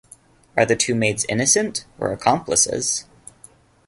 Are the two maids innocent or accomplices?